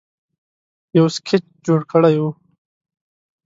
یو سکیچ جوړ کړی وو